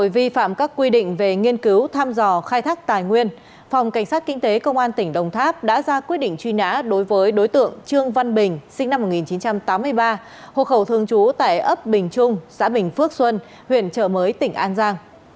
vi phạm các quy định về nghiên cứu thăm dò khai thác tài nguyên phòng cảnh sát kinh tế công an tỉnh đồng tháp đã ra quyết định truy nã đối với đối tượng trương văn bình sinh năm một nghìn chín trăm tám mươi ba hộ khẩu thường trú tại ấp bình trung xã bình phước xuân huyện trợ mới tỉnh an giang